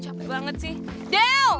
capek banget sih